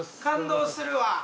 感動するわ。